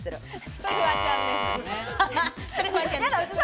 それ、フワちゃんです。